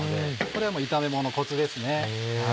これは炒めもののコツですね。